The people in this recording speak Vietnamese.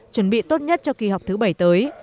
chuẩn bị tốt nhất cho kỳ họp thứ bảy tới